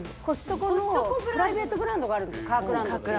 コストコのプライベートブランドがあるんです。